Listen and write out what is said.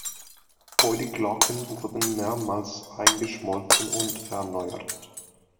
Beide Glocken wurden mehrmals eingeschmolzen und erneuert.